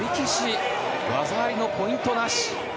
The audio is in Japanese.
技ありのポイントなし。